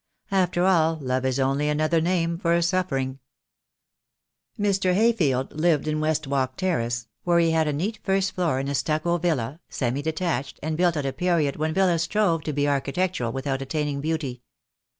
After all love is only another name for suffering. Mr. Hayfield lived in West Walk terrace, where he had a neat first floor in a stucco villa, semi detached, and built at a period when villas strove to be architectural without attaining beauty.